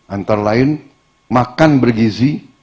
antara lain makan bergizi